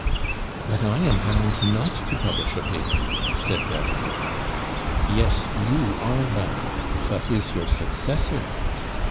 "But I am bound not to publish a paper," said David. "Yes, you are bound, but is your successor?